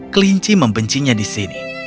kelinci membencinya di sini